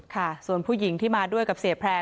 ค่ะส่วนผู้หญิงที่มาด้วยกับเสียแพร่